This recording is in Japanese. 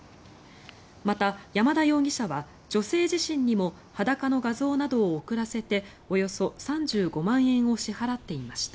また、山田容疑者は女性自身にも裸の画像などを送らせておよそ３５万円を支払っていました。